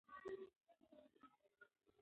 هغې خپل مخ په توده کمپله کې پټ کړ چې لږ خوب وکړي.